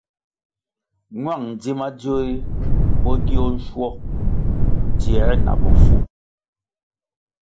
Ñwang dzi madzio ri bo gio nshuo tsiē sa na bofu.